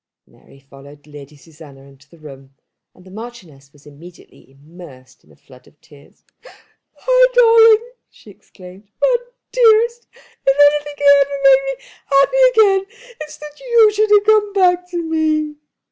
Mary followed Lady Susanna into the room, and the Marchioness was immediately immersed in a flood of tears. "My darling!" she exclaimed; "my dearest, if anything can ever make me happy again it is that you should have come back to me."